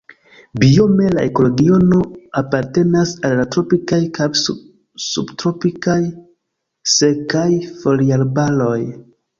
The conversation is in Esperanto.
Biome la ekoregiono apartenas al la tropikaj kaj subtropikaj sekaj foliarbaroj.